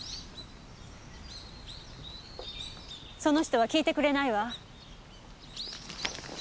その人は聞いてくれないわ。